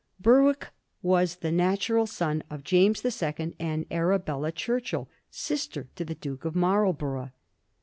Berwick was the natural son of James the Second and Arabella Churchill, sister to the Duke of Marlborough.